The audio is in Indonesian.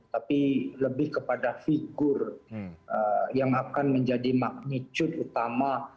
tapi lebih kepada figur yang akan menjadi magnitude utama